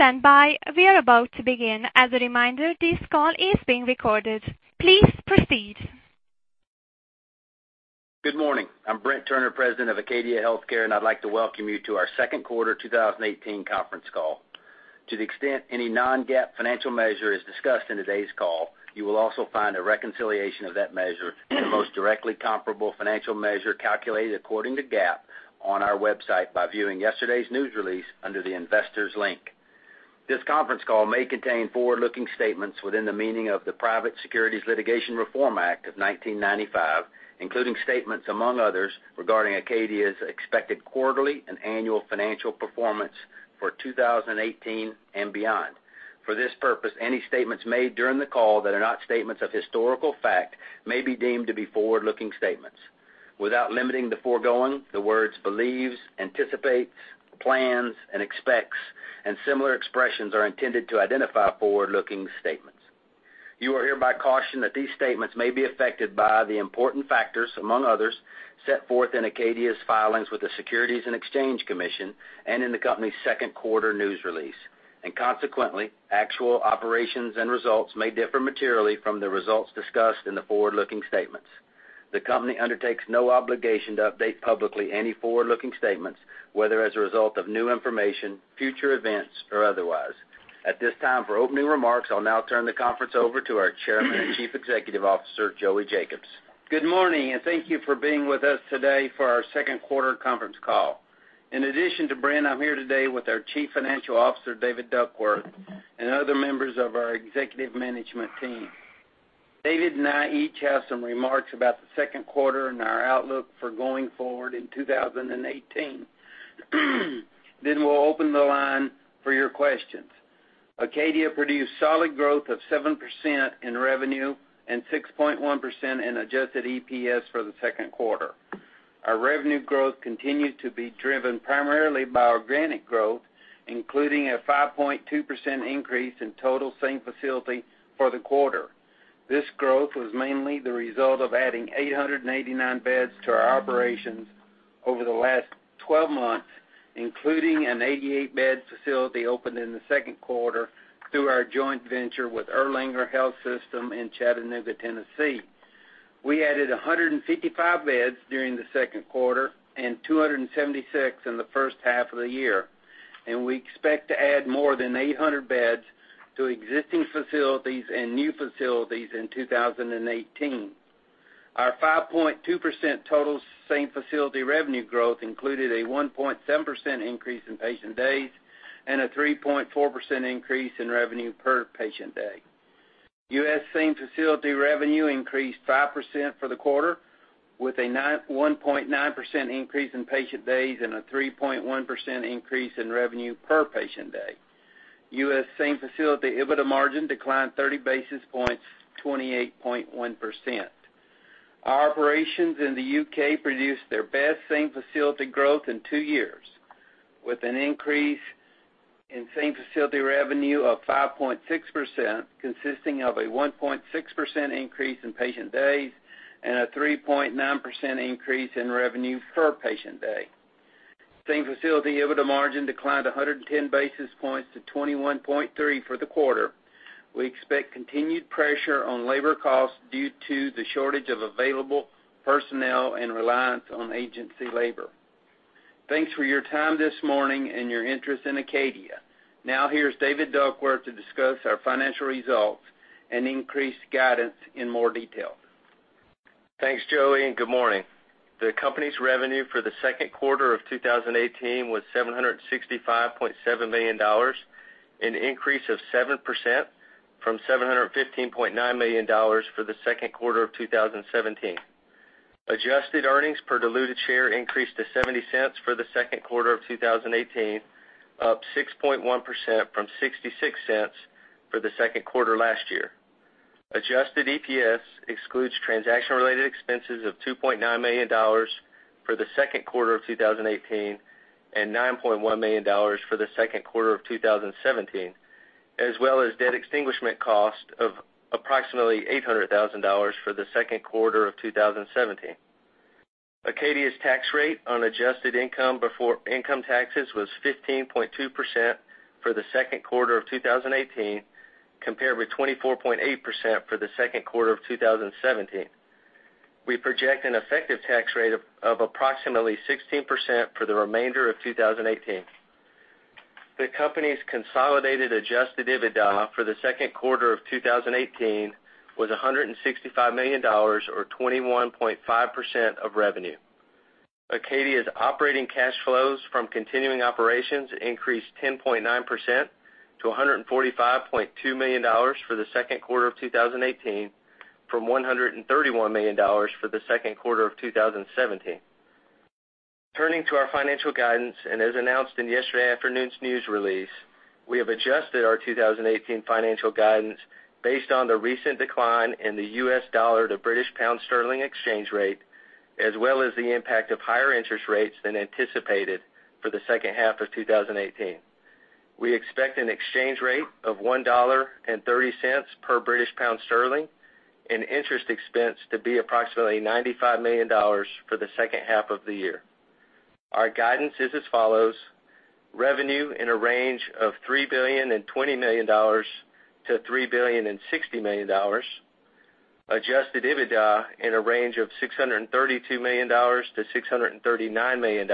Please stand by. We are about to begin. As a reminder, this call is being recorded. Please proceed. Good morning. I'm Brent Turner, President of Acadia Healthcare, and I'd like to welcome you to our second quarter 2018 conference call. To the extent any non-GAAP financial measure is discussed in today's call, you will also find a reconciliation of that measure in the most directly comparable financial measure calculated according to GAAP on our website by viewing yesterday's news release under the Investors link. This conference call may contain forward-looking statements within the meaning of the Private Securities Litigation Reform Act of 1995, including statements among others regarding Acadia's expected quarterly and annual financial performance for 2018 and beyond. For this purpose, any statements made during the call that are not statements of historical fact may be deemed to be forward-looking statements. Without limiting the foregoing, the words believes, anticipates, plans, and expects, and similar expressions are intended to identify forward-looking statements. You are hereby cautioned that these statements may be affected by the important factors, among others, set forth in Acadia's filings with the Securities and Exchange Commission and in the company's second quarter news release. Consequently, actual operations and results may differ materially from the results discussed in the forward-looking statements. The company undertakes no obligation to update publicly any forward-looking statements, whether as a result of new information, future events, or otherwise. At this time, for opening remarks, I'll now turn the conference over to our Chairman and Chief Executive Officer, Joey Jacobs. Good morning. Thank you for being with us today for our second quarter conference call. In addition to Brent, I'm here today with our Chief Financial Officer, David Duckworth, and other members of our executive management team. David and I each have some remarks about the second quarter and our outlook for going forward in 2018. We'll open the line for your questions. Acadia produced solid growth of 7% in revenue and 6.1% in adjusted EPS for the second quarter. Our revenue growth continued to be driven primarily by organic growth, including a 5.2% increase in total same facility for the quarter. This growth was mainly the result of adding 889 beds to our operations over the last 12 months, including an 88-bed facility opened in the second quarter through our joint venture with Erlanger Health System in Chattanooga, Tennessee. We added 155 beds during the second quarter and 276 in the first half of the year. We expect to add more than 800 beds to existing facilities and new facilities in 2018. Our 5.2% total same facility revenue growth included a 1.7% increase in patient days and a 3.4% increase in revenue per patient day. U.S. same facility revenue increased 5% for the quarter, with a 1.9% increase in patient days and a 3.1% increase in revenue per patient day. U.S. same facility EBITDA margin declined 30 basis points to 28.1%. Our operations in the U.K. produced their best same facility growth in two years, with an increase in same facility revenue of 5.6%, consisting of a 1.6% increase in patient days and a 3.9% increase in revenue per patient day. Same facility EBITDA margin declined 110 basis points to 21.3 for the quarter. We expect continued pressure on labor costs due to the shortage of available personnel and reliance on agency labor. Thanks for your time this morning and your interest in Acadia. Now, here's David Duckworth to discuss our financial results and increased guidance in more detail. Thanks, Joey. Good morning. The company's revenue for the second quarter of 2018 was $765.7 million, an increase of 7% from $715.9 million for the second quarter of 2017. Adjusted earnings per diluted share increased to $0.70 for the second quarter of 2018, up 6.1% from $0.66 for the second quarter last year. Adjusted EPS excludes transaction-related expenses of $2.9 million for the second quarter of 2018 and $9.1 million for the second quarter of 2017, as well as debt extinguishment cost of approximately $800,000 for the second quarter of 2017. Acadia's tax rate on adjusted income before income taxes was 15.2% for the second quarter of 2018, compared with 24.8% for the second quarter of 2017. We project an effective tax rate of approximately 16% for the remainder of 2018. The company's consolidated adjusted EBITDA for the second quarter of 2018 was $165 million or 21.5% of revenue. Acadia's operating cash flows from continuing operations increased 10.9% to $145.2 million for the second quarter of 2018 from $131 million for the second quarter of 2017. Turning to our financial guidance, as announced in yesterday afternoon's news release, we have adjusted our 2018 financial guidance based on the recent decline in the U.S. dollar to British pound sterling exchange rate, as well as the impact of higher interest rates than anticipated for the second half of 2018. We expect an exchange rate of $1.30 per British pound sterling. Interest expense to be approximately $95 million for the second half of the year. Our guidance is as follows: Revenue in a range of $3 billion 20 million-$3 billion 60 million. Adjusted EBITDA in a range of $632 million-$639 million.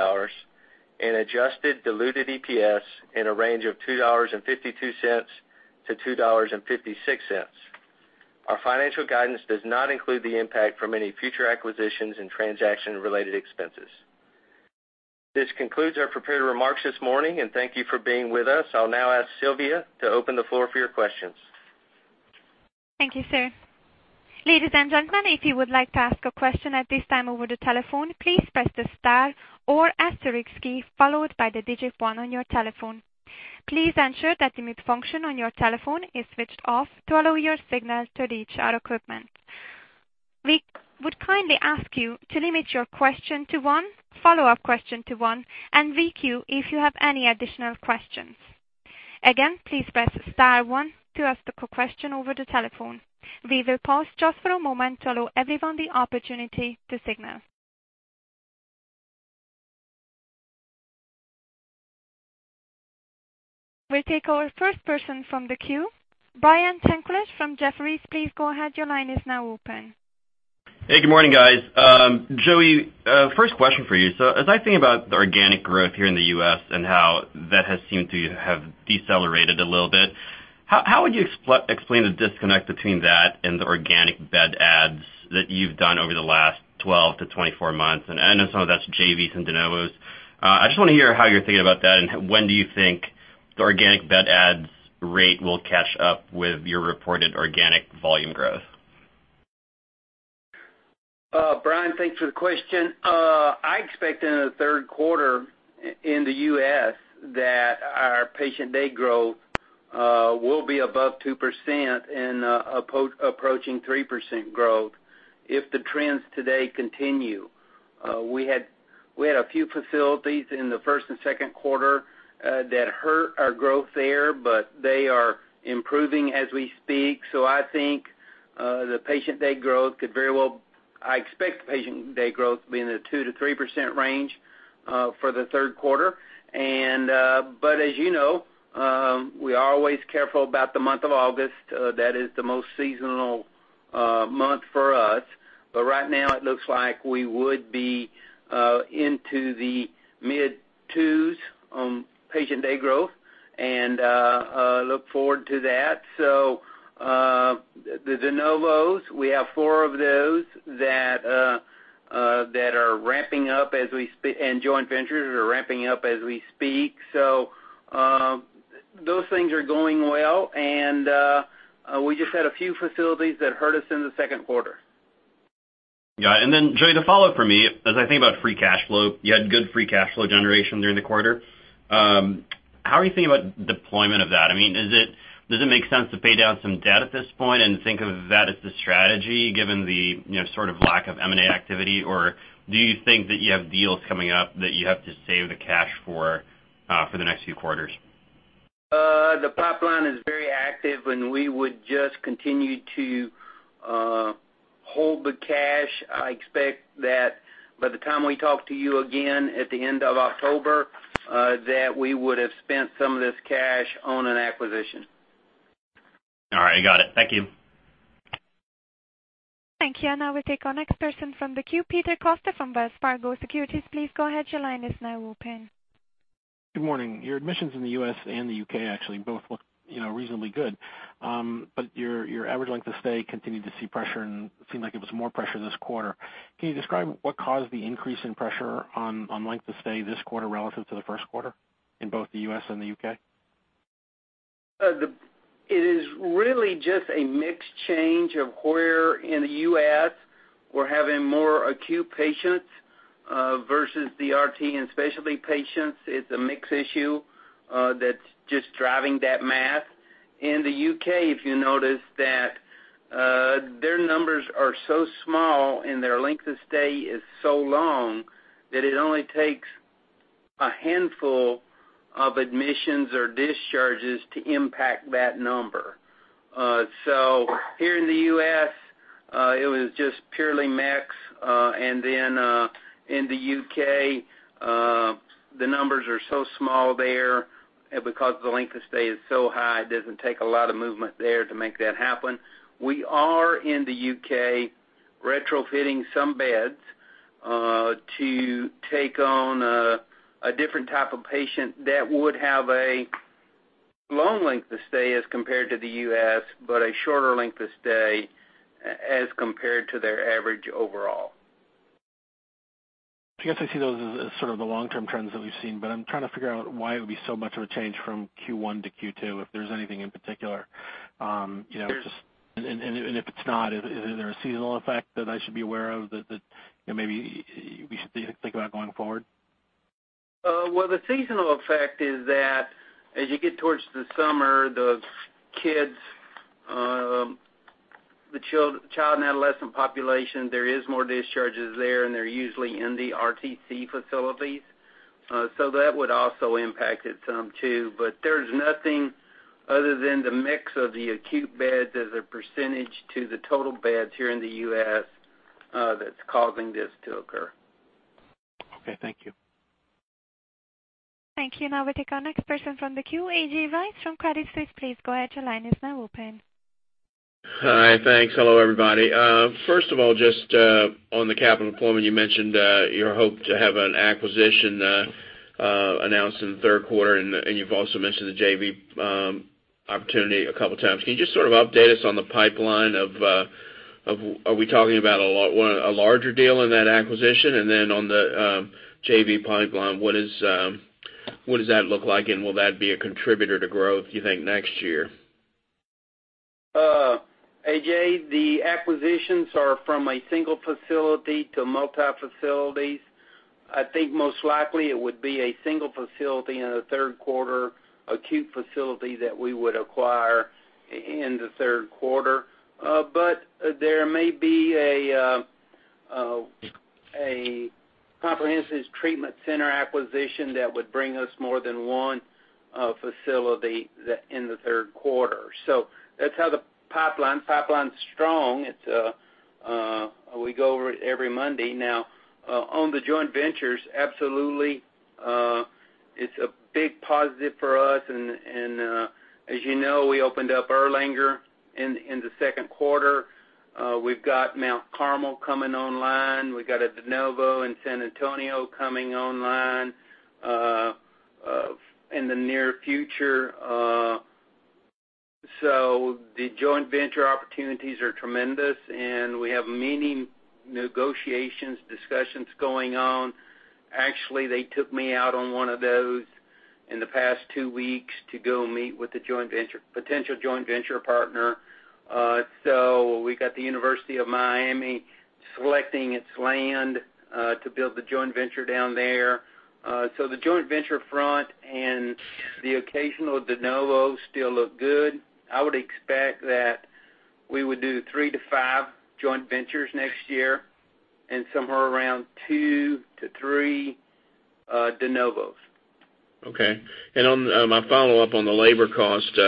Adjusted diluted EPS in a range of $2.52-$2.56. Our financial guidance does not include the impact from any future acquisitions and transaction-related expenses. This concludes our prepared remarks this morning, and thank you for being with us. I'll now ask Sylvia to open the floor for your questions. Thank you, sir. Ladies and gentlemen, if you would like to ask a question at this time over the telephone, please press the star or asterisk key, followed by the digit one on your telephone. Please ensure that the mute function on your telephone is switched off to allow your signal to reach our equipment. We would kindly ask you to limit your question to one, follow-up question to one, and re-queue if you have any additional questions. Again, please press star one to ask a question over the telephone. We will pause just for a moment to allow everyone the opportunity to signal. We'll take our first person from the queue. Brian Tanquilut from Jefferies, please go ahead. Your line is now open. Hey, good morning, guys. Joey, first question for you. As I think about the organic growth here in the U.S. and how that has seemed to have decelerated a little bit, how would you explain the disconnect between that and the organic bed adds that you've done over the last 12-24 months? I know some of that's JVs and de novos. I just want to hear how you're thinking about that, and when do you think the organic bed adds rate will catch up with your reported organic volume growth? Brian, thanks for the question. I expect in the third quarter in the U.S. that our patient day growth will be above 2% and approaching 3% growth if the trends today continue. We had a few facilities in the first and second quarter that hurt our growth there, they are improving as we speak. I expect the patient day growth to be in the 2%-3% range for the third quarter. As you know, we are always careful about the month of August. That is the most seasonal month for us. Right now, it looks like we would be into the mid twos on patient day growth and look forward to that. The de novos, we have 4 of those that are ramping up and joint ventures are ramping up as we speak. Those things are going well, we just had a few facilities that hurt us in the second quarter. Got it. Joey, the follow-up for me, as I think about free cash flow, you had good free cash flow generation during the quarter. How are you thinking about deployment of that? Does it make sense to pay down some debt at this point and think of that as the strategy given the sort of lack of M&A activity? Or do you think that you have deals coming up that you have to save the cash for the next few quarters? The pipeline is very active, we would just continue to hold the cash. I expect that by the time we talk to you again at the end of October, that we would have spent some of this cash on an acquisition. All right. Got it. Thank you. Thank you. Now we'll take our next person from the queue, Peter Costa from Wells Fargo Securities. Please go ahead. Your line is now open. Good morning. Your admissions in the U.S. and the U.K. actually both look reasonably good. Your average length of stay continued to see pressure, and it seemed like it was more pressure this quarter. Can you describe what caused the increase in pressure on length of stay this quarter relative to the first quarter in both the U.S. and the U.K.? It is really just a mix change of where in the U.S. we're having more acute patients versus the RTC and specialty patients. It's a mix issue that's just driving that math. In the U.K., if you notice that their numbers are so small and their length of stay is so long that it only takes a handful of admissions or discharges to impact that number. Here in the U.S., it was just purely mix. In the U.K., the numbers are so small there because the length of stay is so high, it doesn't take a lot of movement there to make that happen. We are in the U.K. retrofitting some beds to take on a different type of patient that would have a long length of stay as compared to the U.S., but a shorter length of stay as compared to their average overall. I guess I see those as sort of the long-term trends that we've seen, but I'm trying to figure out why it would be so much of a change from Q1 to Q2, if there's anything in particular. There's- If it's not, is there a seasonal effect that I should be aware of that maybe we should think about going forward? Well, the seasonal effect is that as you get towards the summer, the child and adolescent population, there is more discharges there, and they're usually in the RTC facilities That would also impact it some too, but there's nothing other than the mix of the acute beds as a % to the total beds here in the U.S. that's causing this to occur. Okay, thank you. Thank you. Now we take our next person from the queue, A.J. Rice from Credit Suisse, please go ahead, your line is now open. Hi, thanks. Hello, everybody. First of all, just on the capital deployment, you mentioned your hope to have an acquisition announced in the third quarter, and you've also mentioned the JV opportunity a couple times. Can you just sort of update us on the pipeline, are we talking about a larger deal in that acquisition? On the JV pipeline, what does that look like, and will that be a contributor to growth, do you think, next year? A.J., the acquisitions are from a single facility to multi facilities. I think most likely it would be a single facility in the third quarter, acute facility that we would acquire in the third quarter. There may be a comprehensive treatment center acquisition that would bring us more than one facility in the third quarter. That's how the pipeline's strong. We go over it every Monday now. On the joint ventures, absolutely, it's a big positive for us and as you know, we opened up Erlanger in the second quarter. We've got Mount Carmel coming online. We got a de novo in San Antonio coming online in the near future. The joint venture opportunities are tremendous, and we have many negotiations, discussions going on. Actually, they took me out on one of those in the past two weeks to go meet with the potential joint venture partner. We got the University of Miami selecting its land to build the joint venture down there. The joint venture front and the occasional de novo still look good. I would expect that we would do three to five joint ventures next year and somewhere around two to three de novos. On my follow-up on the labor cost,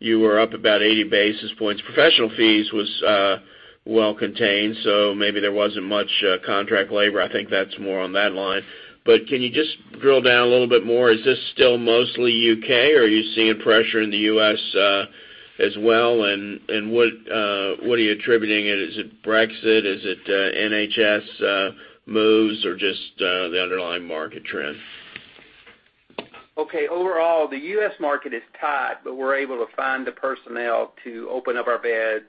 you were up about 80 basis points. Professional fees was well contained, maybe there wasn't much contract labor. I think that's more on that line. Can you just drill down a little bit more? Is this still mostly U.K., or are you seeing pressure in the U.S. as well, and what are you attributing it? Is it Brexit? Is it NHS moves or just the underlying market trend? Okay. Overall, the U.S. market is tight, we're able to find the personnel to open up our beds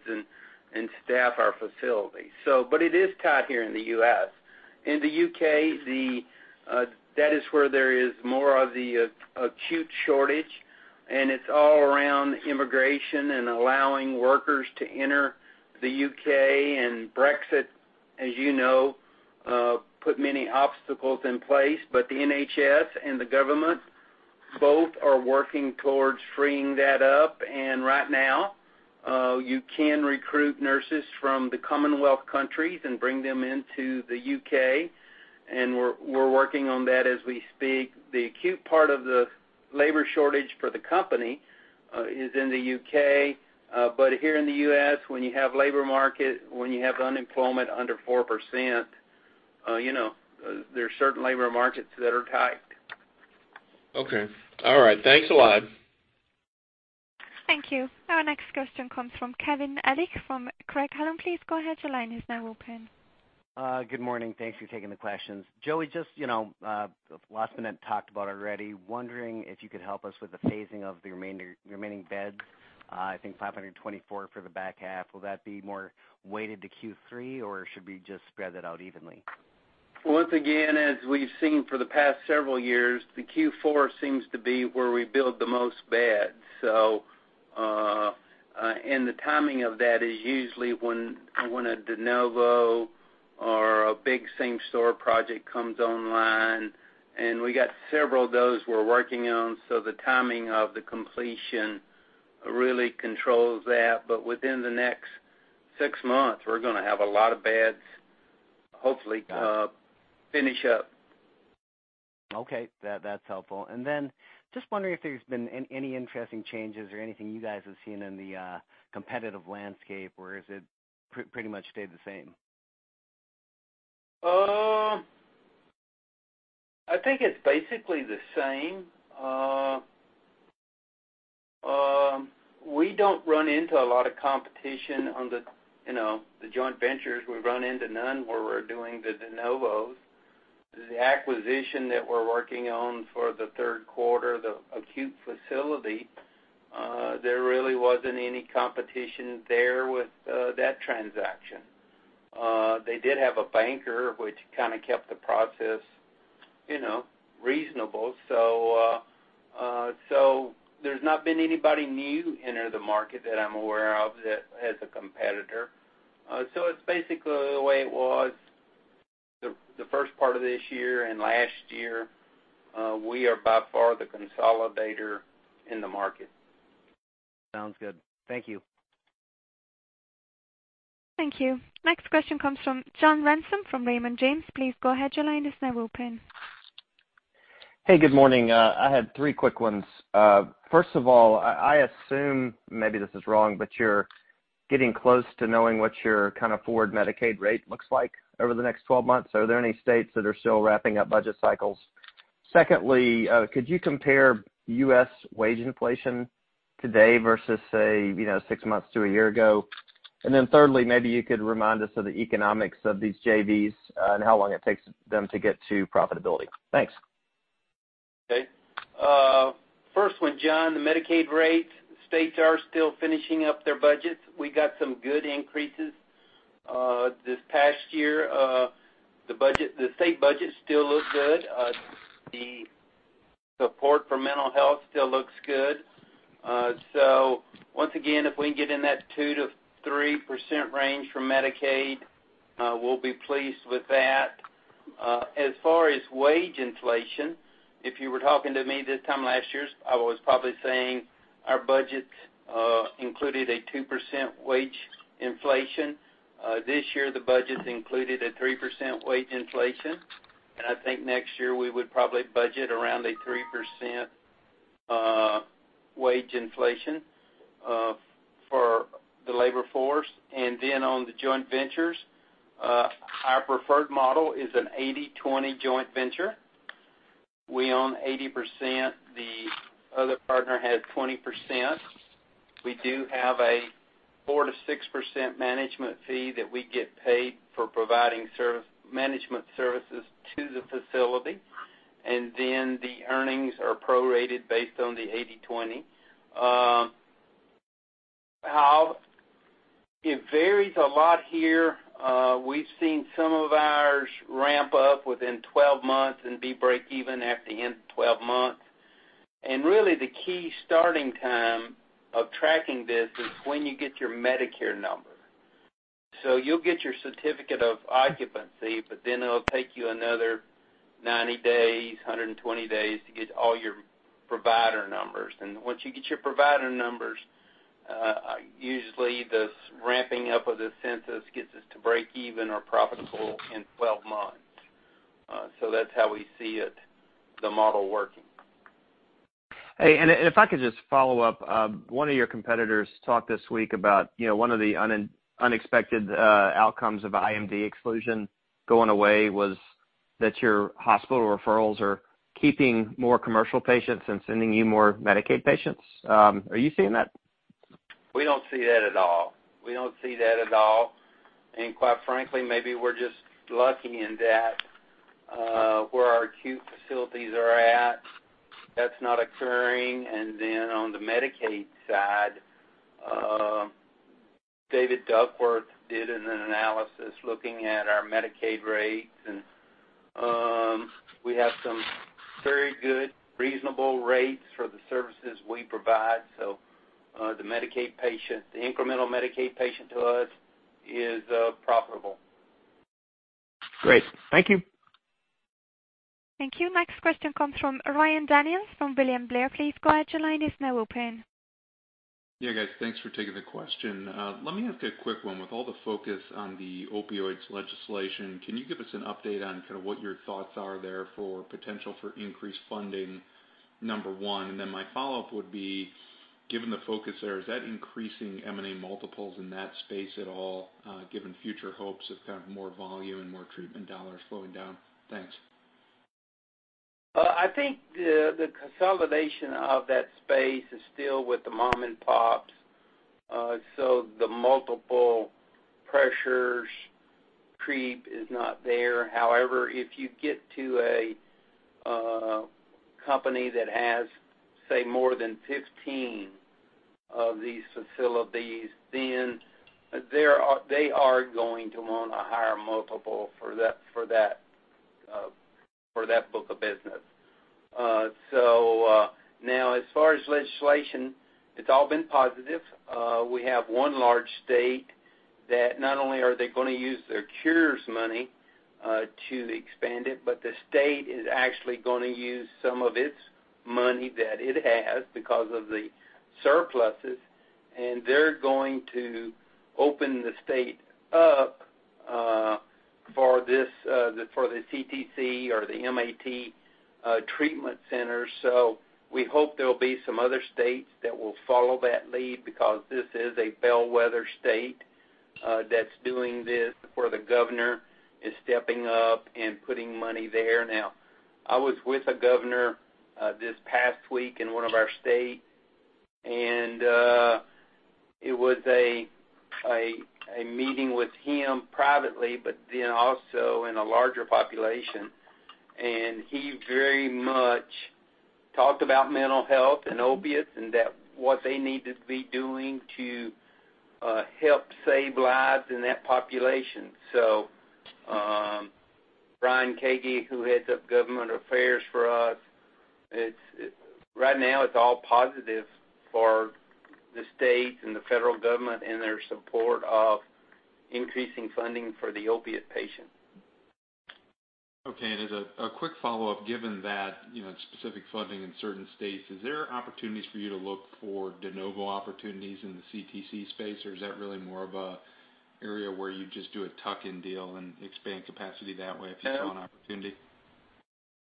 and staff our facilities. It is tight here in the U.S. In the U.K., that is where there is more of the acute shortage, it's all around immigration and allowing workers to enter the U.K., Brexit, as you know, put many obstacles in place, the NHS and the government both are working towards freeing that up, right now, you can recruit nurses from the Commonwealth countries and bring them into the U.K. We're working on that as we speak. The acute part of the labor shortage for the company is in the U.K., here in the U.S., when you have labor market, when you have unemployment under 4%, there's certain labor markets that are tight. Okay. All right. Thanks a lot. Thank you. Our next question comes from Kevin Ellich from Craig-Hallum. Please go ahead. Your line is now open. Good morning. Thanks for taking the questions. Joey, just, Lasan had talked about already, wondering if you could help us with the phasing of the remaining beds. I think 524 for the back half. Will that be more weighted to Q3, or should we just spread that out evenly? Once again, as we've seen for the past several years, the Q4 seems to be where we build the most beds. The timing of that is usually when a de novo or a big same store project comes online, we got several of those we're working on, the timing of the completion really controls that. Within the next six months, we're going to have a lot of beds hopefully finish up. Okay. That's helpful. Just wondering if there's been any interesting changes or anything you guys have seen in the competitive landscape, or has it pretty much stayed the same? I think it's basically the same. We don't run into a lot of competition on the joint ventures. We run into none where we're doing the de novos. The acquisition that we're working on for the third quarter, the acute facility, there really wasn't any competition there with that transaction. They did have a banker, which kind of kept the process reasonable. There's not been anybody new enter the market that I'm aware of as a competitor. It's basically the way it was the first part of this year and last year. We are by far the consolidator in the market. Sounds good. Thank you. Thank you. Next question comes from John Ransom from Raymond James. Please go ahead, your line is now open. Hey, good morning. I had three quick ones. First of all, I assume, maybe this is wrong, but you're getting close to knowing what your kind of forward Medicaid rate looks like over the next 12 months. Are there any states that are still wrapping up budget cycles? Secondly, could you compare U.S. wage inflation today versus, say, six months to a year ago? Thirdly, maybe you could remind us of the economics of these JVs and how long it takes them to get to profitability. Thanks. Okay. First one, John, the Medicaid rate, states are still finishing up their budgets. We got some good increases, this past year. The state budget still looks good. The support for mental health still looks good. Once again, if we can get in that 2%-3% range from Medicaid, we'll be pleased with that. As far as wage inflation, if you were talking to me this time last year, I was probably saying our budget included a 2% wage inflation. This year, the budget included a 3% wage inflation. I think next year we would probably budget around a 3% wage inflation, for the labor force. On the joint ventures, our preferred model is an 80/20 joint venture. We own 80%, the other partner has 20%. We do have a 4%-6% management fee that we get paid for providing management services to the facility, then the earnings are prorated based on the 80/20. It varies a lot here. We've seen some of ours ramp up within 12 months and be break even at the end of 12 months. Really the key starting time of tracking this is when you get your Medicare number. You'll get your certificate of occupancy, but then it'll take you another 90 days, 120 days to get all your provider numbers. Once you get your provider numbers, usually the ramping up of the census gets us to break even or profitable in 12 months. That's how we see the model working. Hey, if I could just follow up. One of your competitors talked this week about one of the unexpected outcomes of IMD exclusion going away was that your hospital referrals are keeping more commercial patients and sending you more Medicaid patients. Are you seeing that? We don't see that at all. Quite frankly, maybe we're just lucky in that, where our acute facilities are at, that's not occurring. On the Medicaid side, David Duckworth did an analysis looking at our Medicaid rates, and we have some very good, reasonable rates for the services we provide. The incremental Medicaid patient to us is profitable. Great. Thank you. Thank you. Next question comes from Ryan Daniels from William Blair. Please go ahead, your line is now open. Yeah, guys. Thanks for taking the question. Let me ask a quick one. With all the focus on the opioids legislation, can you give us an update on kind of what your thoughts are there for potential for increased funding, number one? My follow-up would be, given the focus there, is that increasing M&A multiples in that space at all, given future hopes of kind of more volume and more treatment dollars flowing down? Thanks. I think the consolidation of that space is still with the mom and pops. The multiple pressures creep is not there. However, if you get to a company that has, say, more than 15 of these facilities, they are going to want a higher multiple for that book of business. As far as legislation, it's all been positive. We have one large state that not only are they going to use their Cures money to expand it, the state is actually going to use some of its money that it has because of the surpluses, they're going to open the state up for the CTC or the MAT treatment center. We hope there will be some other states that will follow that lead because this is a bellwether state that's doing this where the governor is stepping up and putting money there now. I was with a governor this past week in one of our states, it was a meeting with him privately, also in a larger population, he very much talked about mental health and opiates and what they need to be doing to help save lives in that population. Brian Cage, who heads up government affairs for us, right now it's all positive for the states and the federal government and their support of increasing funding for the opiate patient. Okay. As a quick follow-up, given that specific funding in certain states, is there opportunities for you to look for de novo opportunities in the CTC space, or is that really more of an area where you just do a tuck-in deal and expand capacity that way if you see an opportunity?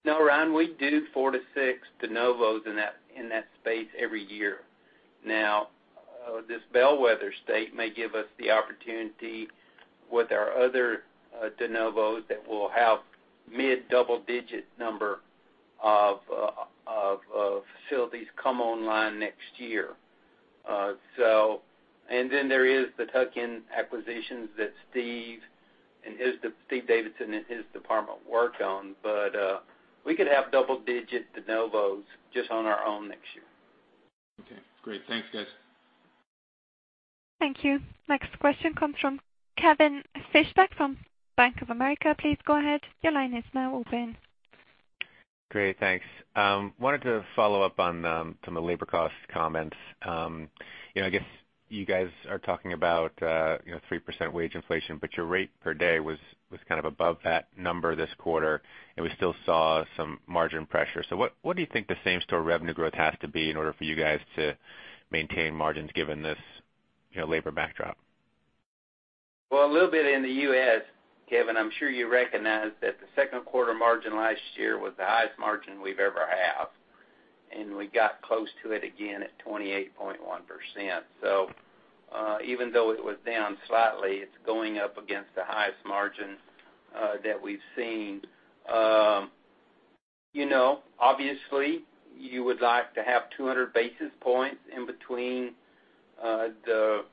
No, Ryan, we do four to six de novos in that space every year. Now, this bellwether state may give us the opportunity with our other de novos that we'll have mid double-digit number of facilities come online next year. There is the tuck-in acquisitions that Steve Davidson and his department work on. We could have double-digit de novos just on our own next year. Okay, great. Thanks, guys. Thank you. Next question comes from Kevin Fischbeck from Bank of America. Please go ahead. Your line is now open. Great. Thanks. Wanted to follow up on some of the labor cost comments. I guess you guys are talking about 3% wage inflation, but your rate per day was kind of above that number this quarter, and we still saw some margin pressure. What do you think the same store revenue growth has to be in order for you guys to maintain margins given this labor backdrop? Well, a little bit in the U.S., Kevin, I'm sure you recognize that the second quarter margin last year was the highest margin we've ever had, and we got close to it again at 28.1%. Even though it was down slightly, it's going up against the highest margin that we've seen. Obviously, you would like to have 200 basis points in between the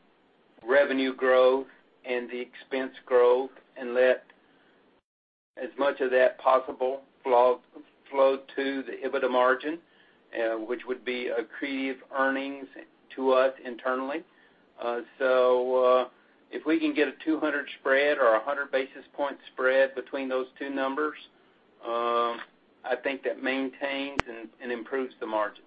revenue growth and the expense growth and let as much of that possible flow to the EBITDA margin, which would be accretive earnings to us internally. If we can get a 200 spread or 100 basis point spread between those two numbers, I think that maintains and improves the margin.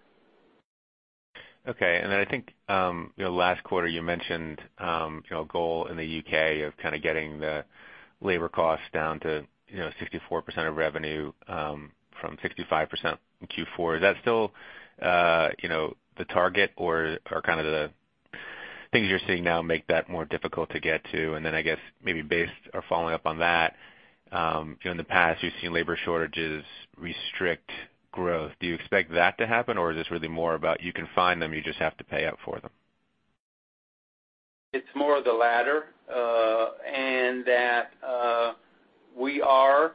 Okay. I think, last quarter you mentioned a goal in the U.K. of kind of getting the labor cost down to 64% of revenue from 65% in Q4. Is that still the target or kind of the things you're seeing now make that more difficult to get to? I guess maybe based or following up on that, in the past you've seen labor shortages restrict growth. Do you expect that to happen, or is this really more about you can find them, you just have to pay up for them? It's more of the latter. That we are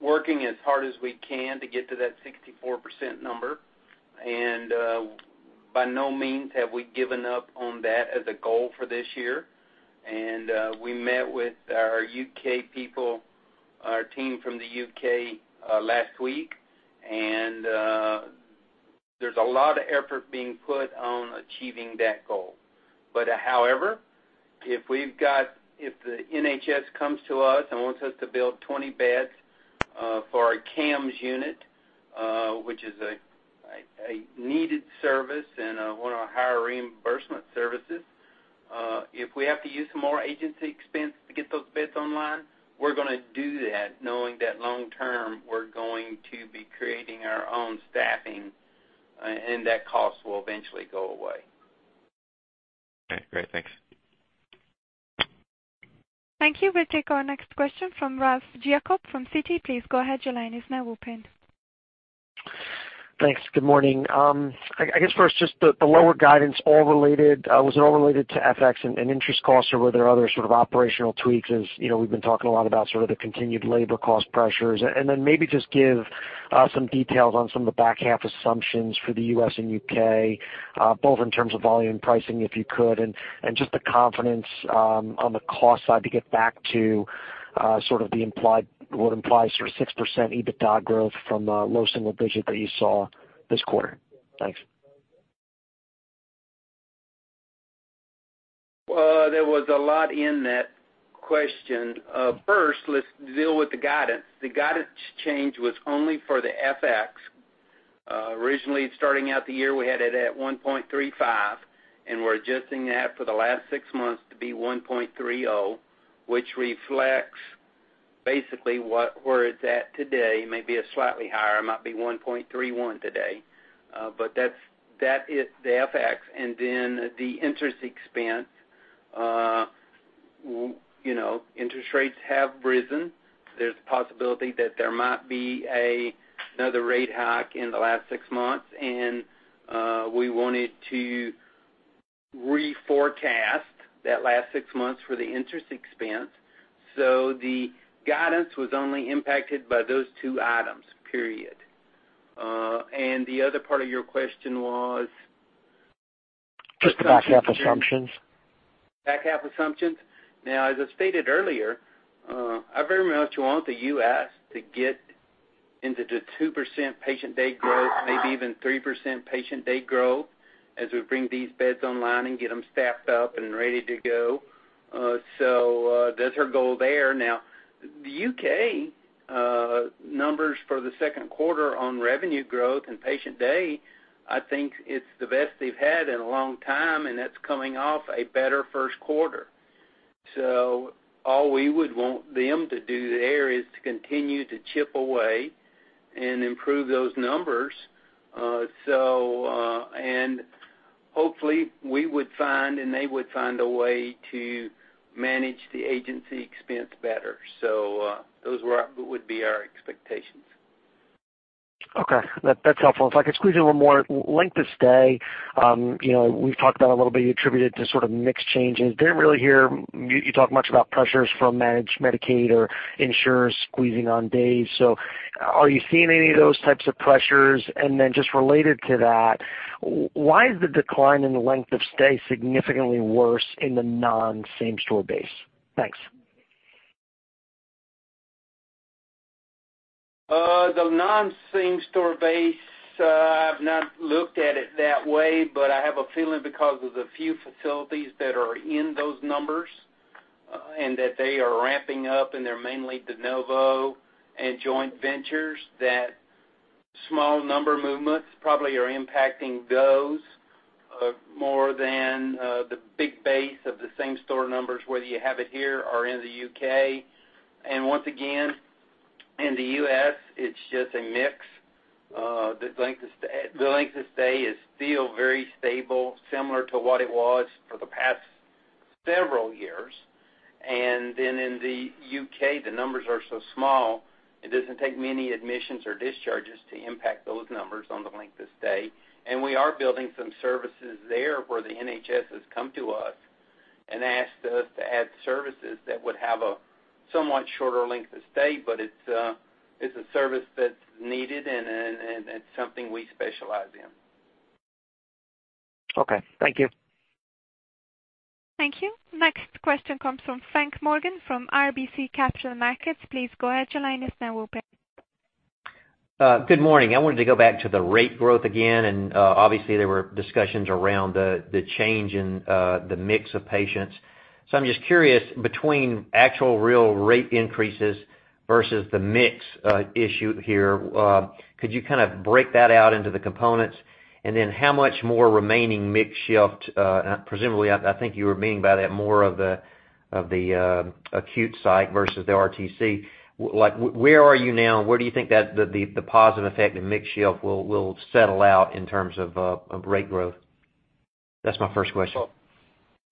working as hard as we can to get to that 64% number, and by no means have we given up on that as a goal for this year. We met with our U.K. people, our team from the U.K. last week, and there's a lot of effort being put on achieving that goal. However, if the NHS comes to us and wants us to build 20 beds for a CAMHS unit, which is a needed service and one of our higher reimbursement services, if we have to use some more agency expense to get those beds online, we're going to do that knowing that long term, we're going to be creating our own staffing, and that cost will eventually go away. Okay, great. Thanks. Thank you. We'll take our next question from Ralph Giacobbe from Citi. Please go ahead. Your line is now open. Thanks. Good morning. I guess first, just the lower guidance, was it all related to FX and interest costs, or were there other sort of operational tweaks as we've been talking a lot about sort of the continued labor cost pressures? Then maybe just give some details on some of the back half assumptions for the U.S. and U.K., both in terms of volume and pricing, if you could. And just the confidence on the cost side to get back to sort of what implies sort of 6% EBITDA growth from low single digit that you saw this quarter. Thanks. Well, there was a lot in that question. First, let's deal with the guidance. The guidance change was only for the FX. Originally, starting out the year, we had it at 1.35, and we're adjusting that for the last six months to be 1.30, which reflects basically where it's at today, maybe a slightly higher. It might be 1.31 today. That is the FX and then the interest expense. Interest rates have risen. There's a possibility that there might be another rate hike in the last six months, and we wanted to reforecast that last six months for the interest expense. The guidance was only impacted by those two items, period. The other part of your question was? Just the back half assumptions. As I stated earlier, I very much want the U.S. to get into the 2% patient day growth, maybe even 3% patient day growth as we bring these beds online and get them staffed up and ready to go. That's our goal there. The U.K. numbers for the second quarter on revenue growth and patient day, I think it's the best they've had in a long time, and that's coming off a better first quarter. All we would want them to do there is to continue to chip away and improve those numbers. Hopefully we would find, and they would find a way to manage the agency expense better. Those would be our expectations. Okay. That's helpful. If I could squeeze in one more. Length of stay, we've talked about a little bit, you attributed to sort of mix changes. Didn't really hear you talk much about pressures from managed Medicaid or insurers squeezing on days. Are you seeing any of those types of pressures? Then just related to that, why is the decline in length of stay significantly worse in the non-same-store base? Thanks. The non-same-store base, I've not looked at it that way, but I have a feeling because of the few facilities that are in those numbers and that they are ramping up and they're mainly de novo and joint ventures, that small number movements probably are impacting those more than the big base of the same store numbers, whether you have it here or in the U.K. Once again, in the U.S., it's just a mix. The length of stay is still very stable, similar to what it was for the past several years. Then in the U.K., the numbers are so small, it doesn't take many admissions or discharges to impact those numbers on the length of stay. We are building some services there where the NHS has come to us and asked us to add services that would have a somewhat shorter length of stay, but it is a service that is needed, and it is something we specialize in. Okay. Thank you. Thank you. Next question comes from Frank Morgan from RBC Capital Markets. Please go ahead. Your line is now open. Good morning. I wanted to go back to the rate growth again, and obviously there were discussions around the change in the mix of patients. I am just curious, between actual real rate increases versus the mix issue here, could you kind of break that out into the components? Then how much more remaining mix shift, presumably I think you were meaning by that more of the acute side versus the RTC. Where are you now, and where do you think the positive effect of mix shift will settle out in terms of rate growth? That is my first question.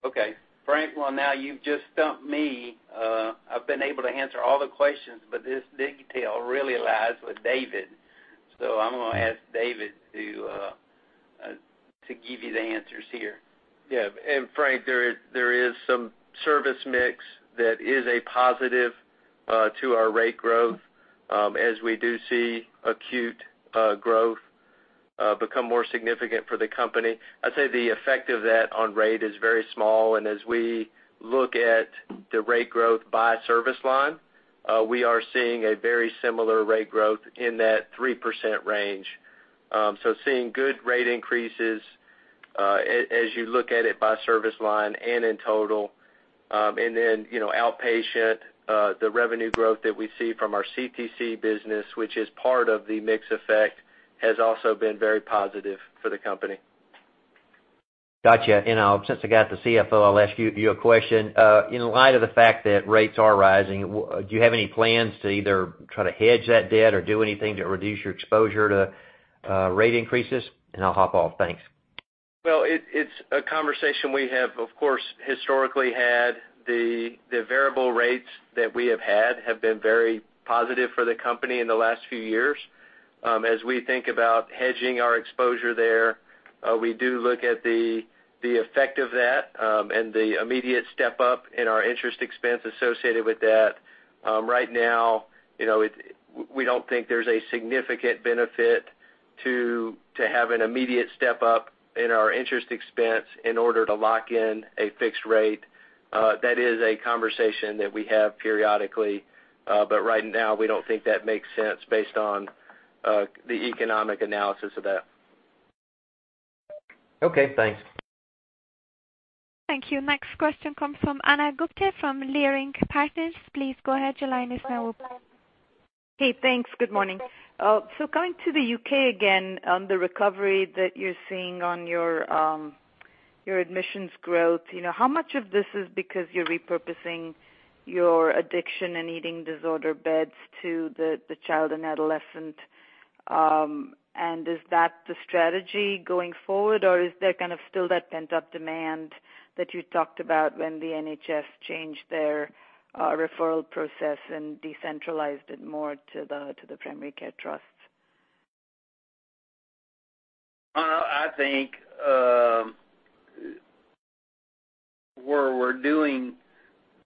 Okay. Frank, well now you've just stumped me. I've been able to answer all the questions, but this detail really lies with David. I'm going to ask David to give you the answers here. Yeah. Frank, there is some service mix that is a positive to our rate growth as we do see acute growth become more significant for the company. I'd say the effect of that on rate is very small, and as we look at the rate growth by service line, we are seeing a very similar rate growth in that 3% range. Seeing good rate increases as you look at it by service line and in total. Then outpatient, the revenue growth that we see from our CTC business, which is part of the mix effect, has also been very positive for the company. Gotcha. Since I got the CFO, I'll ask you a question. In light of the fact that rates are rising, do you have any plans to either try to hedge that debt or do anything to reduce your exposure to rate increases? I'll hop off. Thanks. Well, it's a conversation we have, of course, historically had. The variable rates that we have had have been very positive for the company in the last few years. As we think about hedging our exposure there, we do look at the effect of that and the immediate step-up in our interest expense associated with that. Right now, we don't think there's a significant benefit to have an immediate step-up in our interest expense in order to lock in a fixed rate. That is a conversation that we have periodically. Right now, we don't think that makes sense based on the economic analysis of that. Okay, thanks. Thank you. Next question comes from Ana Gupte from Leerink Partners. Please go ahead. Your line is now open. Hey, thanks. Good morning. Going to the U.K. again on the recovery that you're seeing on your admissions growth. How much of this is because you're repurposing your addiction and eating disorder beds to the child and adolescent? Is that the strategy going forward, or is there kind of still that pent-up demand that you talked about when the NHS changed their referral process and decentralized it more to the primary care trusts? I think where we're doing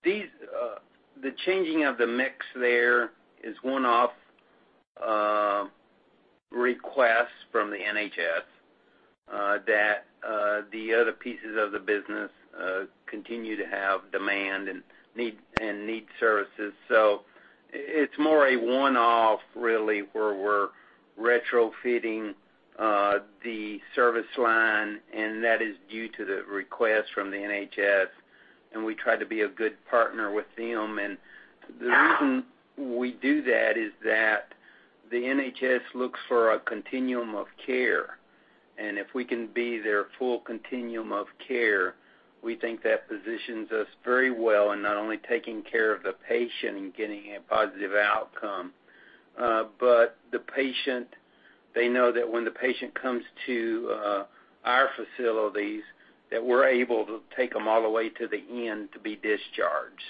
the changing of the mix there is one-off requests from the NHS that the other pieces of the business continue to have demand and need services. It's more a one-off, really, where we're retrofitting the service line, and that is due to the request from the NHS, and we try to be a good partner with them. The reason we do that is that the NHS looks for a continuum of care. If we can be their full continuum of care, we think that positions us very well in not only taking care of the patient and getting a positive outcome, but they know that when the patient comes to our facilities, that we're able to take them all the way to the end to be discharged.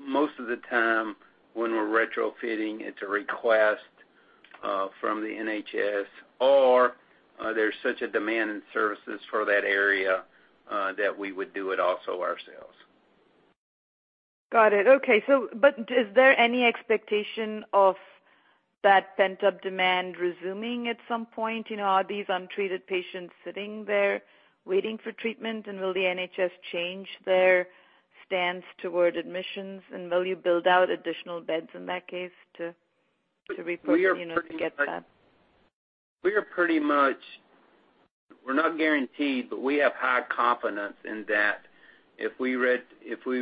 Most of the time when we're retrofitting, it's a request from the NHS, or there's such a demand in services for that area, that we would do it also ourselves. Got it. Okay. Is there any expectation of that pent-up demand resuming at some point? Are these untreated patients sitting there waiting for treatment, and will the NHS change their stance toward admissions? Will you build out additional beds in that case to get that? We're not guaranteed, but we have high confidence in that if we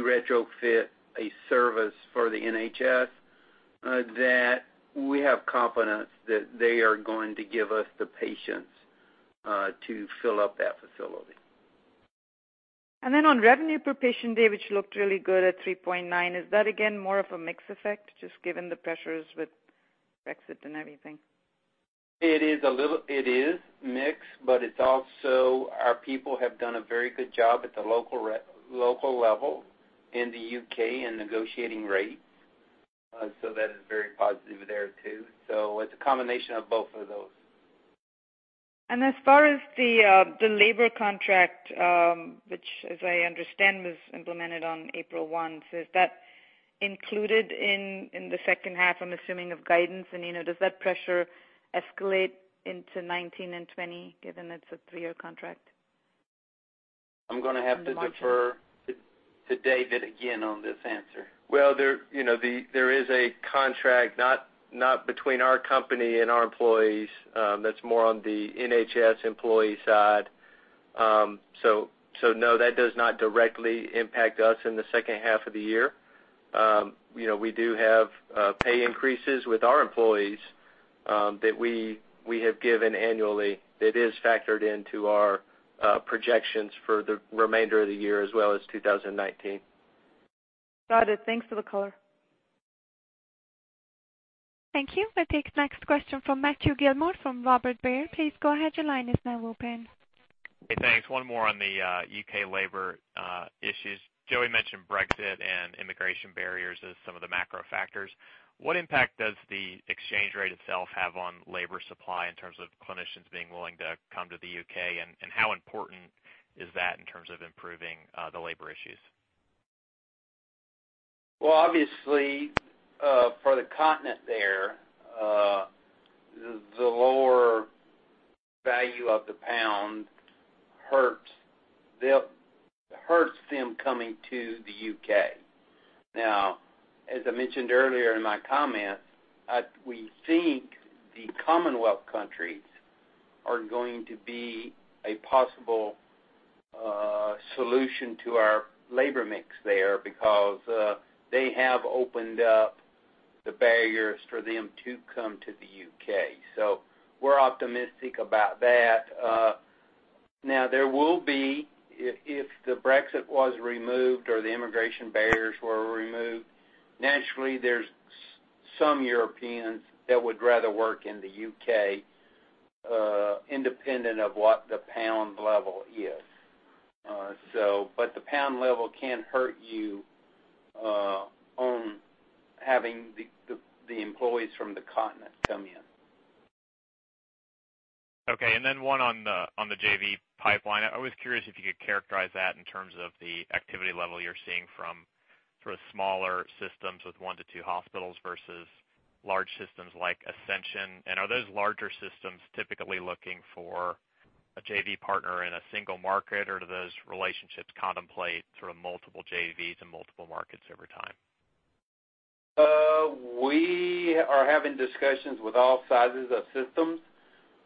retrofit a service for the NHS, that we have confidence that they are going to give us the patients to fill up that facility. Then on revenue per patient day, which looked really good at 3.9, is that again, more of a mix effect, just given the pressures with Brexit and everything? It is mixed, it's also our people have done a very good job at the local level in the U.K. in negotiating rates. That is very positive there too. It's a combination of both of those. As far as the labor contract, which as I understand, was implemented on April 1, so is that included in the second half, I'm assuming, of guidance? Does that pressure escalate into 2019 and 2020, given it's a three-year contract? I'm going to have to defer to David again on this answer. Well, there is a contract not between our company and our employees. That's more on the NHS employee side. No, that does not directly impact us in the second half of the year. We do have pay increases with our employees, that we have given annually that is factored into our projections for the remainder of the year, as well as 2019. Got it. Thanks for the color. Thank you. We'll take the next question from Matthew Gilmore from Robert Baird. Please go ahead. Your line is now open. Hey, thanks. One more on the U.K. labor issues. Joey mentioned Brexit and immigration barriers as some of the macro factors. What impact does the exchange rate itself have on labor supply in terms of clinicians being willing to come to the U.K.? How important is that in terms of improving the labor issues? Well, obviously, for the continent there, the lower value of the GBP hurts them coming to the U.K. As I mentioned earlier in my comments, we think the Commonwealth countries are going to be a possible solution to our labor mix there because they have opened up the barriers for them to come to the U.K. We're optimistic about that. There will be, if the Brexit was removed or the immigration barriers were removed, naturally, there's some Europeans that would rather work in the U.K., independent of what the GBP level is. The GBP level can hurt you on having the employees from the continent come in. Okay. One on the JV pipeline. I was curious if you could characterize that in terms of the activity level you're seeing from sort of smaller systems with one to two hospitals versus large systems like Ascension. Are those larger systems typically looking for a JV partner in a single market, or do those relationships contemplate sort of multiple JVs and multiple markets over time? We are having discussions with all sizes of systems.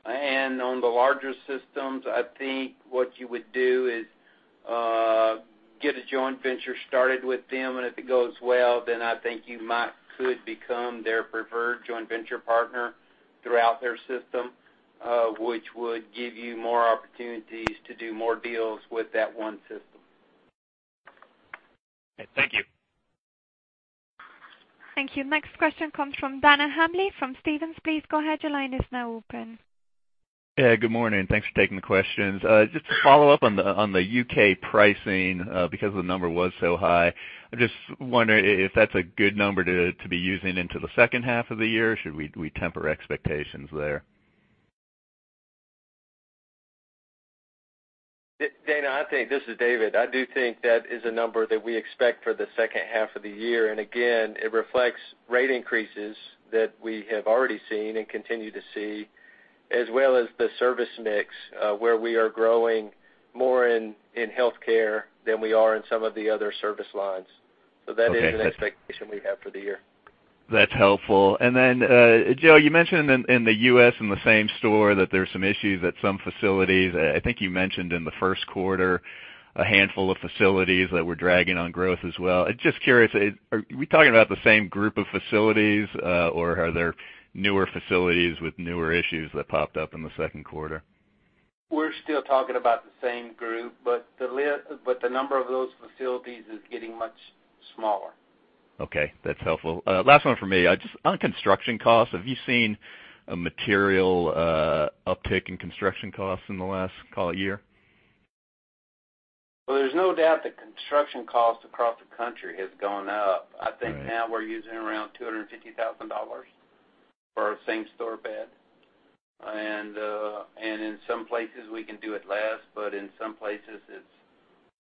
On the larger systems, I think what you would do is get a joint venture started with them, and if it goes well, then I think you could become their preferred joint venture partner throughout their system, which would give you more opportunities to do more deals with that one system. Okay. Thank you. Thank you. Next question comes from Dana Hambly from Stephens. Please go ahead. Your line is now open. Yeah, good morning. Thanks for taking the questions. Just to follow up on the U.K. pricing, because the number was so high, I'm just wondering if that's a good number to be using into the second half of the year, or should we temper expectations there? Dana, this is David. I do think that is a number that we expect for the second half of the year. Again, it reflects rate increases that we have already seen and continue to see, as well as the service mix, where we are growing more in healthcare than we are in some of the other service lines. Okay. That is an expectation we have for the year. That's helpful. Then, Joe, you mentioned in the U.S. in the same store that there's some issues at some facilities. I think you mentioned in the first quarter. A handful of facilities that were dragging on growth as well. Just curious, are we talking about the same group of facilities, or are there newer facilities with newer issues that popped up in the second quarter? We're still talking about the same group, the number of those facilities is getting much smaller. Okay, that's helpful. Last one from me. On construction costs, have you seen a material uptick in construction costs in the last, call it, year? There's no doubt that construction costs across the country has gone up. Right. I think now we're using around $250,000 for our same store bed. In some places we can do it less, but in some places it's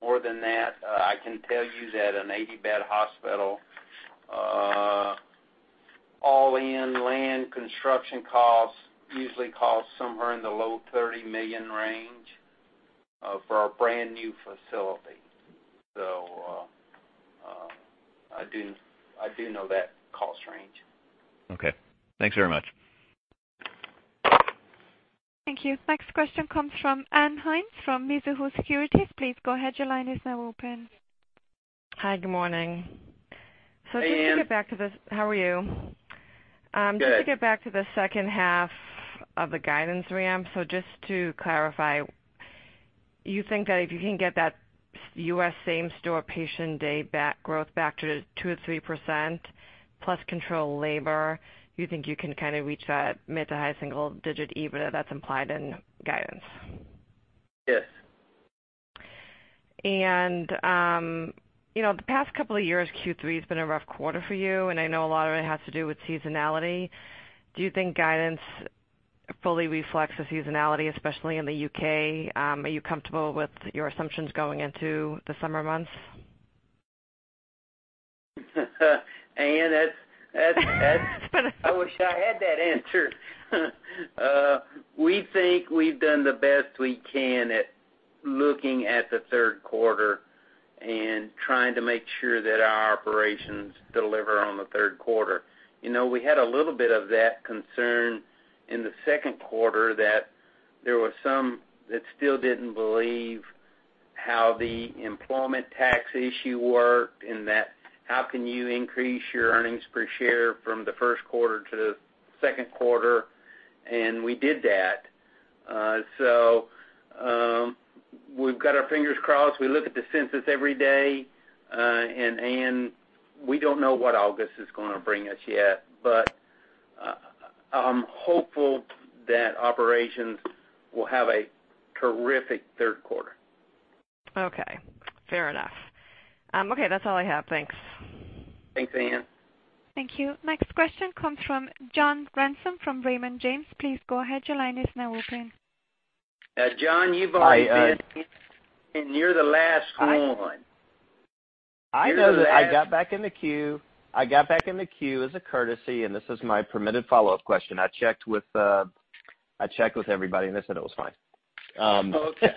more than that. I can tell you that an 80-bed hospital, all in, land, construction costs, usually cost somewhere in the low $30 million range for a brand new facility. I do know that cost range. Okay. Thanks very much. Thank you. Next question comes from Ann Hynes from Mizuho Securities. Please go ahead. Your line is now open. Hi. Good morning. Hey, Ann. Just to get back to how are you? Good. Just to get back to the second half of the guidance ramp, just to clarify, you think that if you can get that U.S. same-store patient day growth back to 2% or 3% plus control labor, you think you can kind of reach that mid to high single digit EBITDA that's implied in guidance? Yes. The past couple of years, Q3 has been a rough quarter for you, and I know a lot of it has to do with seasonality. Do you think guidance fully reflects the seasonality, especially in the U.K.? Are you comfortable with your assumptions going into the summer months? Ann, I wish I had that answer. We think we've done the best we can at looking at the third quarter and trying to make sure that our operations deliver on the third quarter. We had a little bit of that concern in the second quarter that there was some that still didn't believe how the employment tax issue worked, and that how can you increase your earnings per share from the first quarter to the second quarter, and we did that. We've got our fingers crossed. We look at the census every day. Ann, we don't know what August is going to bring us yet, but I'm hopeful that operations will have a terrific third quarter. Okay. Fair enough. Okay, that's all I have. Thanks. Thanks, Ann. Thank you. Next question comes from John Ransom from Raymond James. Please go ahead. Your line is now open. John, you've already been in. You're the last one. I know that. I got back in the queue as a courtesy. This is my permitted follow-up question. I checked with everybody. They said it was fine. Okay.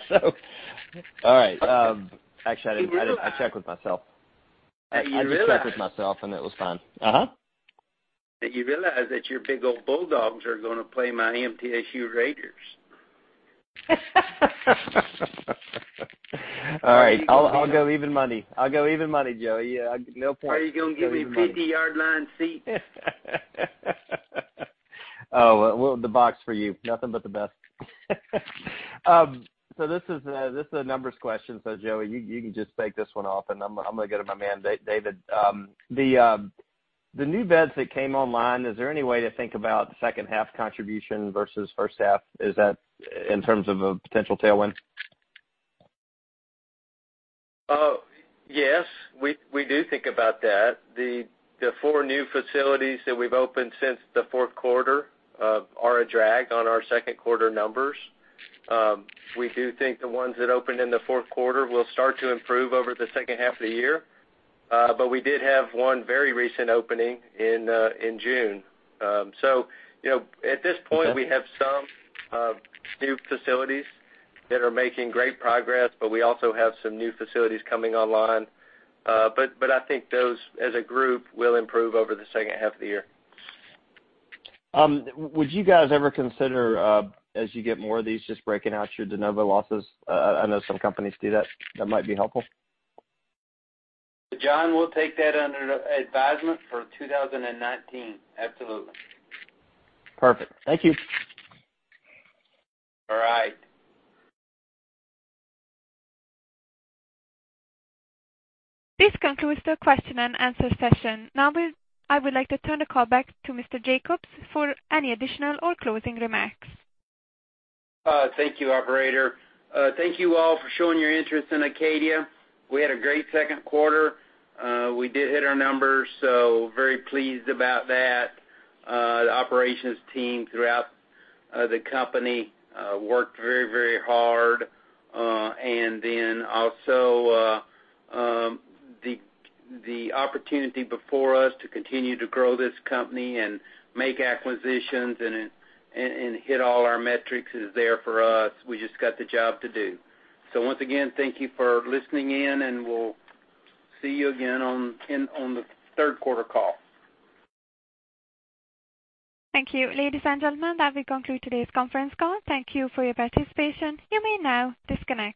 All right. Actually, I checked with myself. You realize- I just checked with myself. It was fine. Uh-huh. You realize that your big old Bulldogs are gonna play my MTSU Raiders. All right. I'll go even money, Joey. No point. Are you gonna give me 50-yard line seats? Well, the box for you. Nothing but the best. This is a numbers question. Joey, you can just take this one off, and I'm going to go to my man, David. The new beds that came online, is there any way to think about the second half contribution versus first half? Is that in terms of a potential tailwind? Yes. We do think about that. The four new facilities that we've opened since the fourth quarter are a drag on our second quarter numbers. We do think the ones that opened in the fourth quarter will start to improve over the second half of the year. We did have one very recent opening in June. At this point, we have some new facilities that are making great progress, but we also have some new facilities coming online. I think those, as a group, will improve over the second half of the year. Would you guys ever consider, as you get more of these, just breaking out your de novo losses? I know some companies do that. That might be helpful. John, we'll take that under advisement for 2019. Absolutely. Perfect. Thank you. All right. This concludes the question and answer session. I would like to turn the call back to Mr. Jacobs for any additional or closing remarks. Thank you, operator. Thank you all for showing your interest in Acadia. We had a great second quarter. We did hit our numbers, so very pleased about that. The operations team throughout the company worked very hard. The opportunity before us to continue to grow this company and make acquisitions and hit all our metrics is there for us. We just got the job to do. Once again, thank you for listening in, and we'll see you again on the third quarter call. Thank you. Ladies and gentlemen, that will conclude today's conference call. Thank you for your participation. You may now disconnect.